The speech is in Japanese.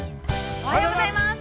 ◆おはようございます！